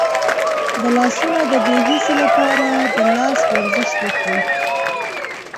د لاسونو د بې حسی لپاره د لاس ورزش وکړئ